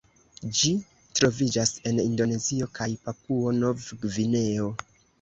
Ĝi troviĝas en Indonezio kaj Papuo-Nov-Gvineo.